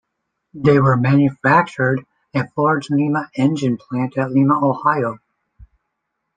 They were manufactured at Ford's Lima Engine plant at Lima, Ohio.